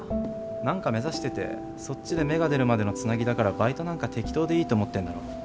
何か目指しててそっちで芽が出るまでのつなぎだからバイトなんか適当でいいと思ってるんだろ。